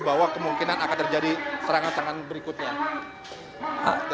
bahwa kemungkinan akan terjadi serangan serangan berikutnya